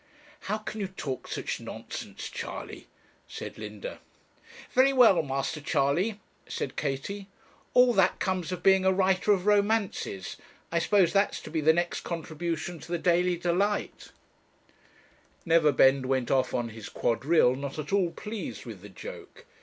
'How can you talk such nonsense, Charley?' said Linda. 'Very well, Master Charley,' said Katie. 'All that comes of being a writer of romances. I suppose that's to be the next contribution to the Daily Delight.' Neverbend went off on his quadrille not at all pleased with the joke.